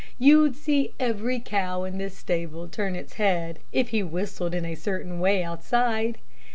You'd see every cow in this stable turn its head, if he whistled in a certain way outside.